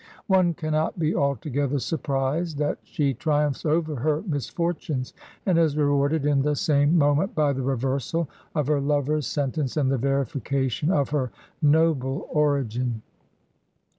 One cannot be altogether surprised that she triumphs over her misfortimes, and is rewarded in the • same moment by the reversal of her lover's sentence and the verification of her noble origin.